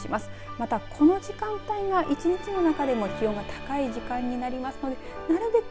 また、この時間帯が一日の中でも高い時間になりますのでなるべく